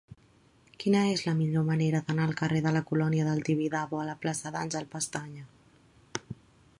Quina és la millor manera d'anar del carrer de la Colònia del Tibidabo a la plaça d'Àngel Pestaña?